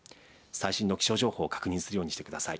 最新の気象情報を確認するようにしてください。